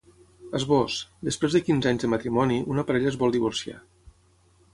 Esbós: Després de quinze anys de matrimoni, una parella es vol divorciar.